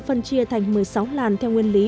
phân chia thành một mươi sáu làn theo nguyên lý